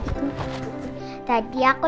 ikmu kasih tahu mama